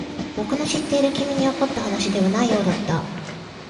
僕の知っている君に起こった話ではないようだった。